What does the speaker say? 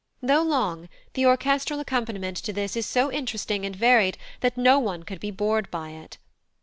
Though long, the orchestral accompaniment to this is so interesting and varied that no one could be bored by it.